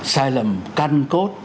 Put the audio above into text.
sai lầm can cốt